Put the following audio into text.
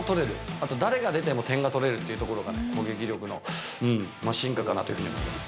あと誰が出ても点が取れるっていうところが攻撃力の進化かなというふうに思います。